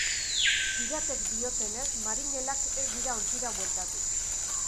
Piratek diotenez, marinelak ez dira ontzira bueltatu.